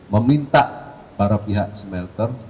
meminta para pihak smelter